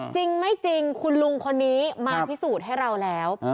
จริงไม่จริงคุณลุงคนนี้มาพิสูจน์ให้เราแล้ว